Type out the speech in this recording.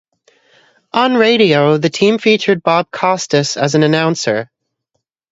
On radio, the team featured Bob Costas as an announcer.